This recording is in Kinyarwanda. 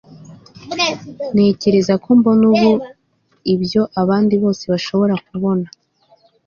ntekereza ko mbona ubu ibyo abandi bose bashobora kubona